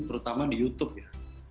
terutama di youtube ya